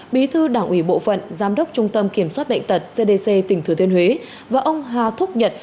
bí thư đảng ủy bộ phận giám đốc trung tâm kiểm soát bệnh tật cdc tỉnh thừa thiên huế và ông hà thúc nhật